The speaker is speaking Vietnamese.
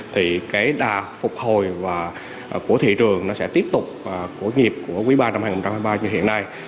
thì cái đa phục hồi của thị trường nó sẽ tiếp tục của nghiệp của quý iii năm hai nghìn hai mươi ba như hiện nay